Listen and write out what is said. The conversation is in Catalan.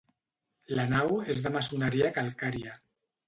La nau és de maçoneria calcària.